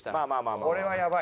これはやばい。